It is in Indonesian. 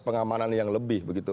pengamanan yang lebih